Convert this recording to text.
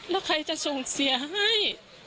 แล้วใครจะส่งเสียให้